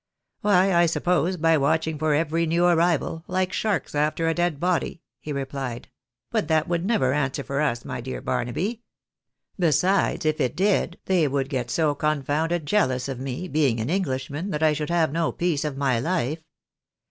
" Why, I suppose, by watching for every new arrival, like sharks after a dead body," he replied ;" but that woald never answer for tis, my dear Barnaby. Besides, if it did, they would get so con founded jealous of me, being an Englishman, that I should have no peace of my life.